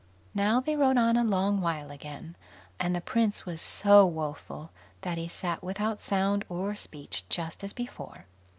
Now, they rode on a long while again, and the Prince was so woeful, that he sat without sound or speech just as before.